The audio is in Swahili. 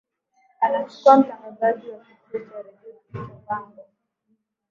anachukua mtangazaji wa kituo cha redio kilichopangwa